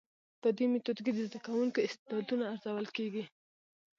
په دي ميتود کي د زده کوونکو استعدادونه ارزول کيږي.